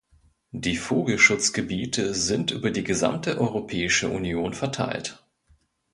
Die Vogelschutzgebiete sind über die gesamte Europäische Union verteilt.